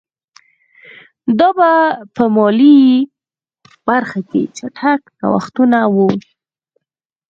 دا په مالي برخه کې چټک نوښتونه وو